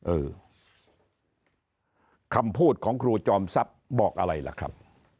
เออคำพูดของครูจอมทรัพย์บอกอะไรล่ะครับ